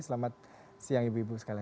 selamat siang ibu ibu sekalian